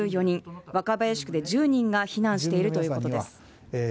若林区で１０人が避難しているということです。